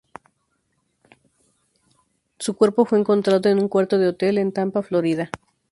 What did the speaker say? Su cuerpo fue encontrado en un cuarto de hotel en Tampa, Florida.